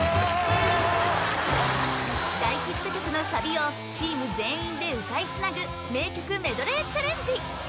大ヒット曲のサビをチーム全員で歌いつなぐ名曲メドレーチャレンジ